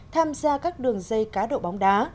tham gia các đường dây cá độ bóng đá